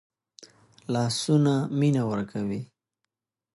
لاسونه مینه ورکوي